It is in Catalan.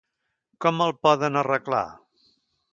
Com el poden arreglar?